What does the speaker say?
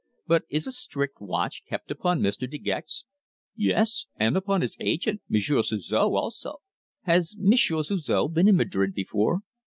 "But is a strict watch kept upon Mr. De Gex?" "Yes, and upon his agent, Monsieur Suzor, also." "Has Monsieur Suzor been in Madrid before?"